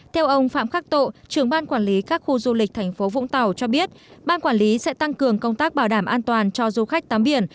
theo ông phạm khắc tộ trưởng ban quản lý các khu du lịch thành phố vũng tàu cho biết ban quản lý sẽ tăng cường công tác bảo đảm an toàn cho du khách tắm biển